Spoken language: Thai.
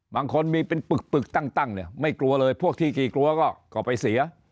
บางคนมีเป็นปึกตั้งเนี่ยไม่กลัวเลยพวกที่กี่กลัวก็ไปเสีย